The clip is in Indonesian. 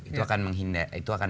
itu akan menghindar